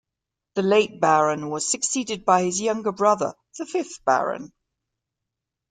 The late Baron was succeeded by his younger brother, the fifth Baron.